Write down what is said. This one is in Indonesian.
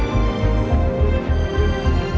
kita bisa berdua kita bisa berdua